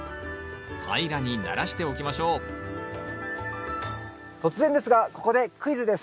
平らにならしておきましょう突然ですがここでクイズです。